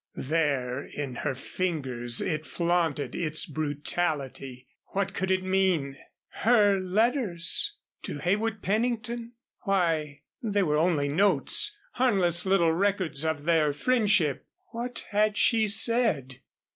There in her fingers it flaunted its brutality. What could it mean? Her letters? To Heywood Pennington? Why they were only notes harmless little records of their friendship. What had she said?